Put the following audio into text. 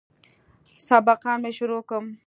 سبقان مې شروع کم.